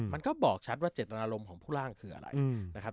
มันก็บอกชัดว่าเจตนารมณ์ของผู้ร่างคืออะไรนะครับ